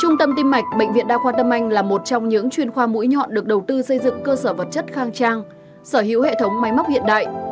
trung tâm tim mạch bệnh viện đa khoa tâm anh là một trong những chuyên khoa mũi nhọn được đầu tư xây dựng cơ sở vật chất khang trang sở hữu hệ thống máy móc hiện đại